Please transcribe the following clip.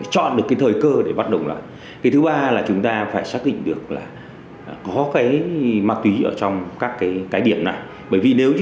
sau khi chúng ta xác định được tất cả địa điểm